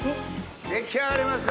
出来上がりました！